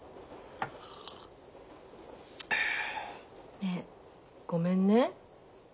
ねえごめんね。